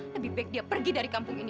lebih baik dia pergi dari kampung ini